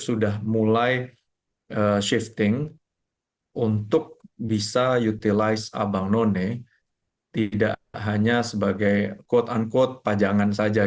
sudah mulai shifting untuk bisa utilize abang none tidak hanya sebagai quote unquote pajangan saja